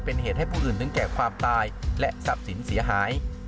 เป็นเหตุให้ผู้อื่นถึงแก่ความตายและทรัพย์สินเสียหาย